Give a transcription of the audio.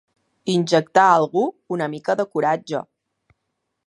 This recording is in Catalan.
Injectar a algú una mica de coratge.